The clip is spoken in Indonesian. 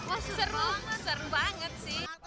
oh seru seru banget sih